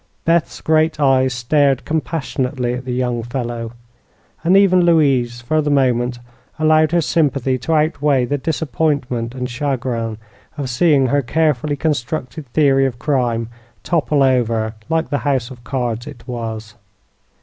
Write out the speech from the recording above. Beth's great eyes stared compassionately at the young fellow, and even Louise for the moment allowed her sympathy to outweigh the disappointment and chagrin of seeing her carefully constructed theory of crime topple over like the house of cards it was.